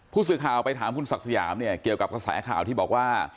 ผู้สื่อข่าวไปถามคุณศักดิ์สยามเนี่ยเกี่ยวกับกระแสข่าวที่บอกว่า